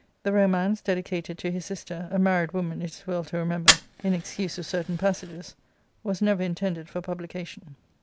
The romance, dedicated to his sister — a married woman, it is well to remember, in excuse of certain pas sages— was never intended for publication.